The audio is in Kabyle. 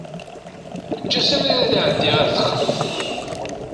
Eǧǧ-as abrid ad iɛeddi ar texxamt.